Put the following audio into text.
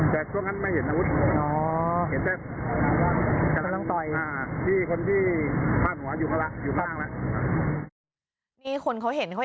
แต่ช่วงนั้นไม่เห็นอาวุธ